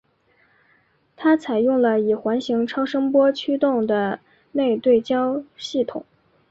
它采用了以环形超声波驱动的内对焦系统。